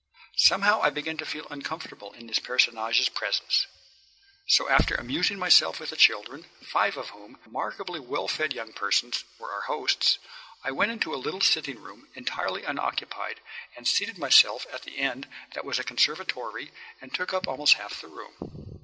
Somehow I began to feel uncomfortable in this personage's presence. So, after amusing myself with the children, five of whom, remarkably well fed young persons, were our host's, I went into a little sitting room, entirely unoccupied, and seated myself at the end that was a conservatory and took up almost half the room.